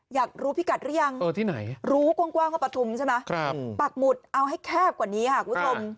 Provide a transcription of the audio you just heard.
อยากรู้พิกัดหรือยังรู้กว้างว่าปฐุมใช่ไหมปากหมุดเอาให้แคบกว่านี้ค่ะคุณผู้ชม